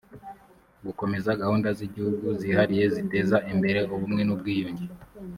gukomeza gahunda z’igihugu zihariye ziteza imbere ubumwe n’ubwiyunge